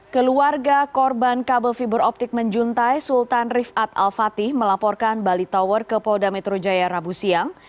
keluarga korban kabel fiber optik menjuntai sultan rifat al fatih melaporkan bali tower ke polda metro jaya rabu siang